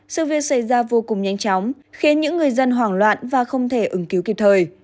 sự việc xảy ra vô cùng nhanh chóng khiến những người dân hoảng loạn và không thể ứng cứu kịp thời